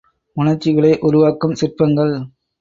உணர்ச்சிகளை உருவாக்கும் சிற்பங்கள்.